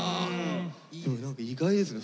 意外ですね